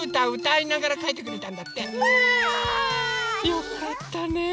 よかったねえ。